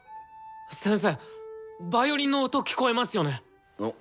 先生ヴァイオリンの音聴こえますよね！？